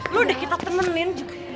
lo udah kita temenin